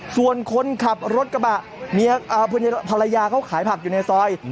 ส่วนคนขับรถกระบะภรรยาเขาขายผักอยู่ในซอย